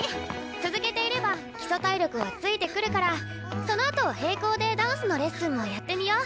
続けていれば基礎体力はついてくるからそのあと並行でダンスのレッスンもやってみよう？